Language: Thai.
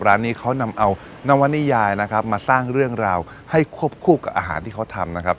ร้านนี้เขานำเอานวนิยายนะครับมาสร้างเรื่องราวให้ควบคู่กับอาหารที่เขาทำนะครับ